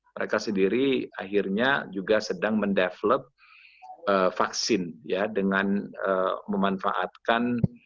mereka sendiri akhirnya juga sedang mendevelop vaksin ya dengan memanfaatkan